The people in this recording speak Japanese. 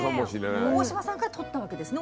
大島さんから取ったわけですね？